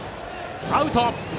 アウト。